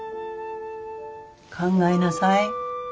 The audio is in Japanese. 考えなさい。